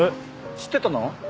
知ってたの？